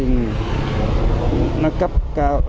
nó cấp cao